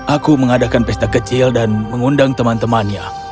aku mengadakan pesta kecil dan mengundang teman temannya